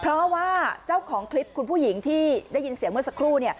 เพราะว่าเจ้าของคลิปคุณผู้หญิงที่ได้ยินเสียงเมื่อสักครู่